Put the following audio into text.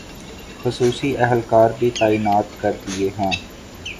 خصوصی اہلکار بھی تعینات کردیئے ہیں